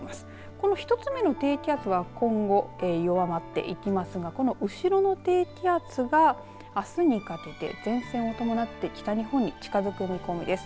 この１つ目の低気圧は今後弱まっていきますがこの後ろの低気圧があすにかけて前線を伴って北日本に近づく見込みです。